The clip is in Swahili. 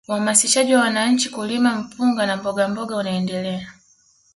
Uhamasishaji wa wananchi kulima mpunga na mbogamboga unaendelea